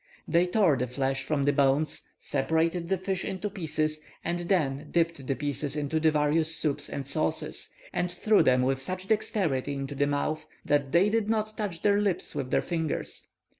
They tore the flesh from the bones, separated the fish into pieces, and then dipped the pieces into the various soups and sauces, and threw them with such dexterity into the mouth, that they did not touch their lips with their fingers.